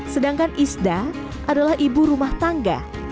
sedangkan isda adalah ibu rumah tangga